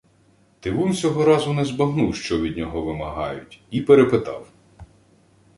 Тивун сього разу не збагнув, що від нього вимагають, і перепитав: